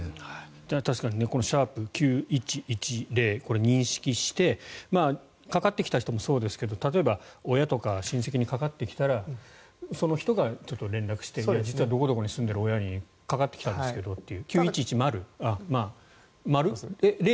確かに「＃９１１０」でこれは認識してかかってきた人もそうですが例えば親とか親戚にかかってきたらその人がちょっと連絡をして実は、どこどこに住んでいる親にかかってきたんですけどという。